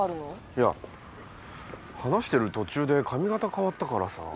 いや話してる途中で髪型変わったからさあ。